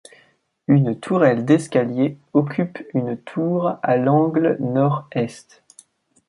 Une tourelle d'escalier occupe une tour à l'angle nord-est.